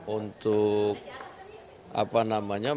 untuk apa namanya